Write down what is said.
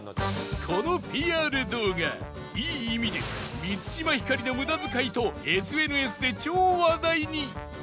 この ＰＲ 動画いい意味で満島ひかりの無駄遣いと ＳＮＳ で超話題に